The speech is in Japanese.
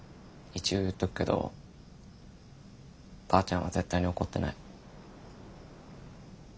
一応言っとくけどばあちゃんは絶対に怒ってない。